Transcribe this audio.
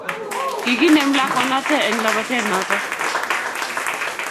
Kiginimem lakwanata eng labatet noto